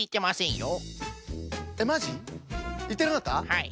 はい。